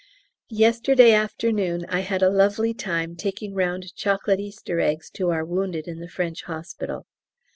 Yesterday afternoon I had a lovely time taking round chocolate Easter eggs to our wounded in the French hospital.